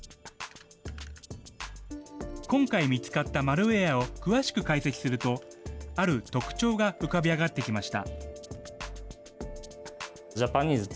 今回見つかったマルウエアを詳しく解析すると、ある特徴が浮かび上がってきました。